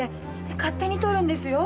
勝手に撮るんですよ。